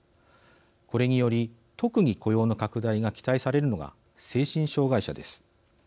これにより特に雇用の拡大が期待されるのが精神障害者です。